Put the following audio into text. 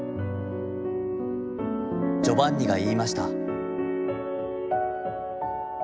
ジョバンニが云ひました」。